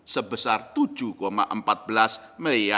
sebesar rp tujuh empat belas miliar